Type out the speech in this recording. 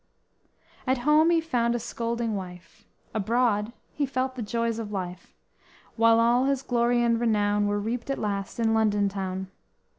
_At home he found a scolding wife, Abroad he felt the joys of life, While all his glory and renown Were reaped at last in London town.